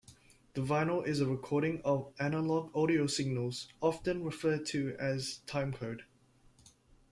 The vinyl is a recording of analog audio signals often referred to as timecode.